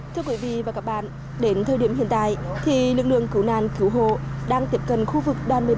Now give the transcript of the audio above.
thưa quý vị và các bạn đến thời điểm hiện tại thì lực lượng cứu nàn cứu hộ đang tiếp cận khu vực đoàn một mươi bảy